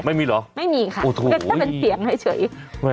ไม่มีหรอไม่มีค่ะทุ่ถ้าเป็นเสียงให้เฉยเออ